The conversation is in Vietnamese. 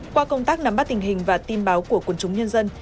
qua công tác nắm bắt tình hình và tin báo của quân chúng nhân dân